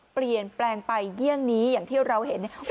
เปลี่ยนแปลงไปเยี่ยงนี้อย่างที่เราเห็นนะครับ